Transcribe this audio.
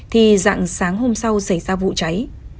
thì dặn sáng hôm sau xảy ra vụ cháy